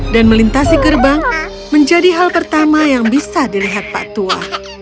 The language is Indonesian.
dan melintasi gerbang menjadi hal pertama yang bisa dilihat pak tua